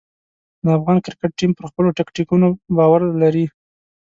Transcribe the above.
د افغان کرکټ ټیم پر خپلو ټکتیکونو باور لري.